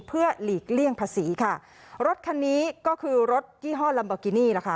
เพื่อหลีกเลี่ยงภาษีค่ะรถคันนี้ก็คือรถยี่ห้อลัมโบกินี่แหละค่ะ